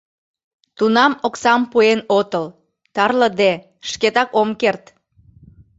Тунам оксам пуэн отыл, тарлыде, шкетак ом керт.